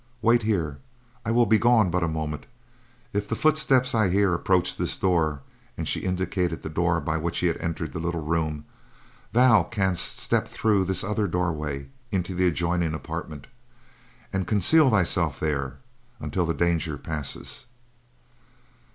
Wait here, I will be gone but a moment. If the footsteps I hear approach this door," and she indicated the door by which he had entered the little room, "thou canst step through this other doorway into the adjoining apartment, and conceal thyself there until the danger passes."